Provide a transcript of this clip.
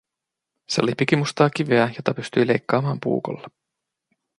Se oli pikimustaa kiveä, jota pystyi leikkaamaan puukolla.